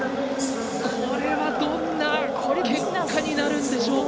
これはどんな結果になるんでしょうか。